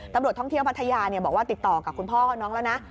ตำรวจท่องเที่ยวมาตรายาม่าว่าติดต่อกับคุณพ่อน้องแล้วนะ